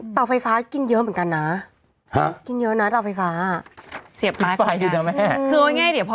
ถ้าเอฟทีจะขึ้นเอฟทีขึ้นเนี่ยฮะ